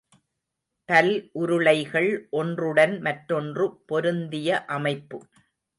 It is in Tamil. பல் உருளைகள் ஒன்றுடன் மற்றொன்று பொருந்திய அமைப்பு.